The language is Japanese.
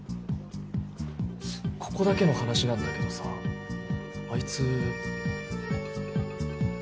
・ここだけの話なんだけどさあいつ。